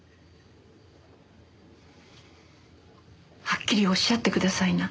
はっきりおっしゃってくださいな。